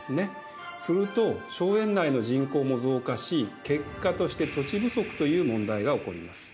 すると荘園内の人口も増加し結果として土地不足という問題が起こります。